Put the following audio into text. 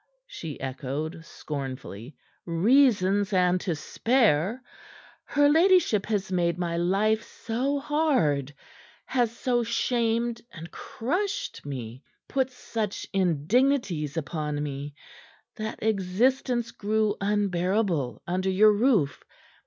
she echoed scornfully. "Reasons and to spare! Her ladyship has made my life so hard, has so shamed and crushed me, put such indignities upon me, that existence grew unbearable under your roof.